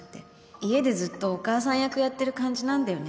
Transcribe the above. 家でずっとお母さん役やってる感じなんだよね。